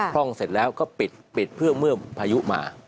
ร่องเสร็จแล้วก็ปิดเพื่อเมื่อพายุมา